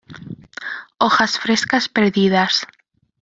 Hojas frescas perdidas.